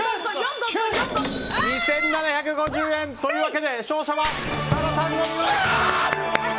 ２７５０円！というわけで勝者は設楽さん！